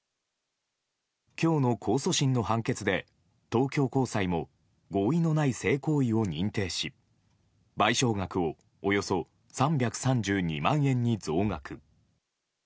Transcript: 今日の控訴審の判決で東京高裁も合意のない性行為を認定し賠償額をおよそ３３２万円に増額。